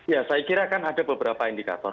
ya saya kira kan ada beberapa indikator